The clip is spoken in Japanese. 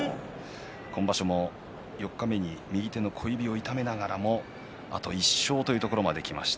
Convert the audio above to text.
今場所も四日目に右手の小指を痛めながらもあと１勝というところまできました。